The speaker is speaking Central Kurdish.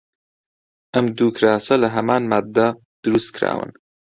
ئەم دوو کراسە لە هەمان ماددە دروست کراون.